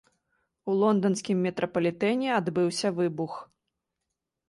У лонданскім метрапалітэне адбыўся выбух.